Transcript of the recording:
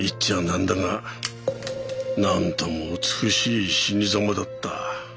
なんだがなんとも美しい死にざまだった。